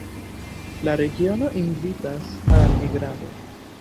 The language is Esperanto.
La regiono invitas al migrado.